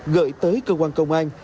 gửi tới cơ quan công an